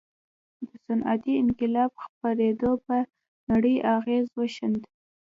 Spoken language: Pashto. د صنعتي انقلاب خپرېدو پر نړۍ اغېز وښند.